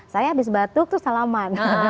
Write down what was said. saya habis batuk tuh salaman